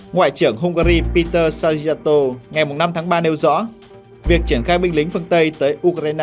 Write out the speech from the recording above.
ngoại trưởng hungary peter sajidato ngày năm tháng ba nêu rõ